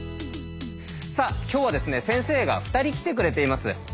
さあ今日は先生が２人来てくれています。